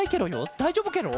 だいじょうぶケロ？